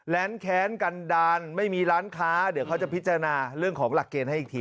แค้นกันดาลไม่มีร้านค้าเดี๋ยวเขาจะพิจารณาเรื่องของหลักเกณฑ์ให้อีกที